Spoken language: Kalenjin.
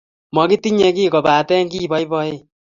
Makitinye kiy, kobate kiboiboen.